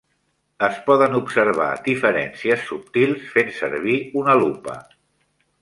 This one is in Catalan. Es poden observar diferències subtils fent servir una lupa.